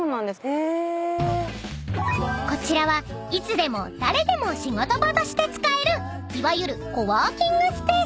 ［こちらはいつでも誰でも仕事場として使えるいわゆるコワーキングスペース］